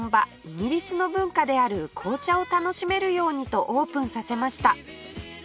イギリスの文化である紅茶を楽しめるようにとオープンさせました